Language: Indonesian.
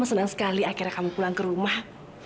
saya sangat senang akhirnya kamu pulang ke rumah